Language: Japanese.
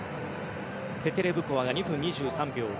テテレブコワが２分２３秒６６。